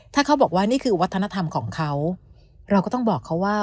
ถ้าเขาบอกว่านี่คือวัฒนธรรมของเขาเราก็ต้องบอกเขาว่า